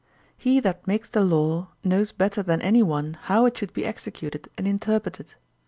* He that makes the law knows better than any one how it should be executed and interpreted.